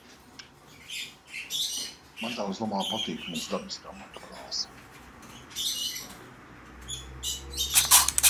Man daudz labāk patīk viņas dabiskā matu krāsa.